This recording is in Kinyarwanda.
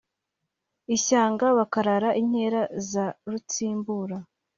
Ishyanga bakarara inkera za rutsimbura